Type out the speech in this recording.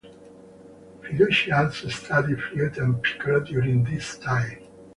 Fiducia also studied flute and piccolo during this time.